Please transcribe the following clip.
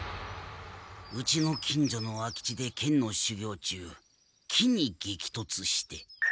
うちの近所の空き地で剣の修行中木に激突して。